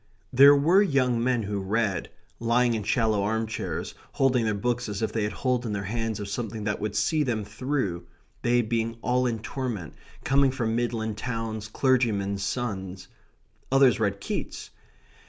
There were young men who read, lying in shallow arm chairs, holding their books as if they had hold in their hands of something that would see them through; they being all in a torment, coming from midland towns, clergymen's sons. Others read Keats.